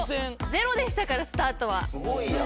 ゼロでしたからスタートは。